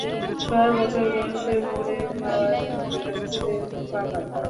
ছয় বছর বয়সে মোরে খেওয়ায় উডাইছে বাবায়।